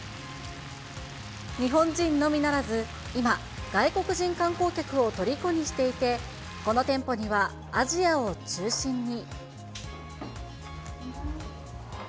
日本人のみならず、今、外国人観光客をとりこにしていて、この店舗にはアジアを中心に。